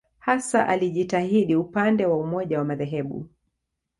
Hasa alijitahidi upande wa umoja wa madhehebu.